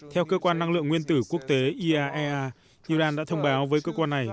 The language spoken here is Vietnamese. theo cơ quan năng lượng nguyên tử quốc tế iaea iran đã thông báo với cơ quan này